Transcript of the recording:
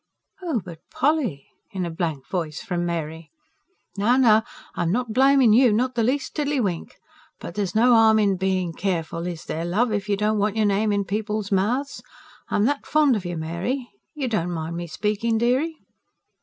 ("Oh, but Polly!" in a blank voice from Mary.) "Now, now, I'm not blaming you not the least tiddly wink. But there's no harm in being careful, is there, love, if you don't want your name in people's mouths? I'm that fond of you, Mary you don't mind me speaking, dearie?"